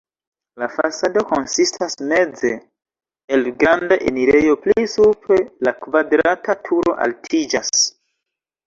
La fasado konsistas meze el granda enirejo, pli supre la kvadrata turo altiĝas.